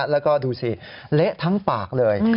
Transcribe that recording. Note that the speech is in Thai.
แล้วก็ดูสิเละทั้งปากเลย